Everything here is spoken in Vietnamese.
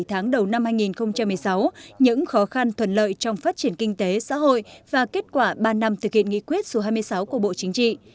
bảy tháng đầu năm hai nghìn một mươi sáu những khó khăn thuận lợi trong phát triển kinh tế xã hội và kết quả ba năm thực hiện nghị quyết số hai mươi sáu của bộ chính trị